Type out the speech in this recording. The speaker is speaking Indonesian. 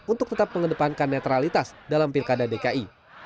untuk tetap mengedepankan netralitas dalam pilkada dki